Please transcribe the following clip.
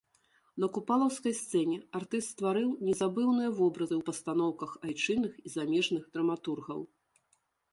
На купалаўскай сцэне артыст стварыў незабыўныя вобразы ў пастаноўках айчынных і замежных драматургаў.